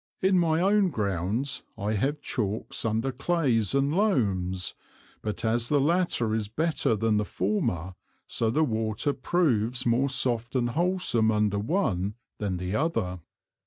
In my own Grounds I have Chalks under Clays and Loams; but as the latter is better than the former, so the Water proves more soft and wholsome under one than the other.